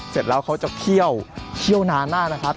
เสร็จแล้วเขาจะเคี่ยวเคี่ยวนานมากนะครับ